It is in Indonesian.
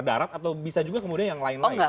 darat atau bisa juga kemudian yang lain lain